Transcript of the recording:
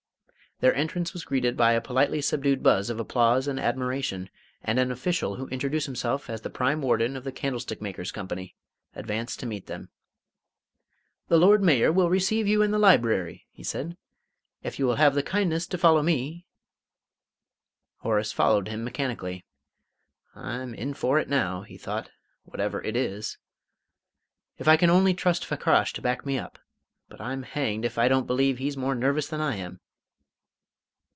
Their entrance was greeted by a politely subdued buzz of applause and admiration, and an official, who introduced himself as the Prime Warden of the Candlestick makers' Company, advanced to meet them. "The Lord Mayor will receive you in the library," he said. "If you will have the kindness to follow me " Horace followed him mechanically. "I'm in for it now," he thought, "whatever it is. If I can only trust Fakrash to back me up but I'm hanged if I don't believe he's more nervous than I am!"